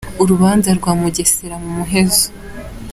Urubanza rwa Mugesera mu muhezo